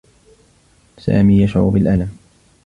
سامي يشعر بالألم.